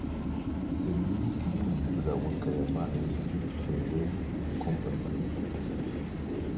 C'est l'unique ligne de la Wakayama Electric Railway Co.